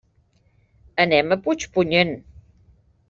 Anem a Puigpunyent.